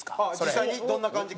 実際にどんな感じか？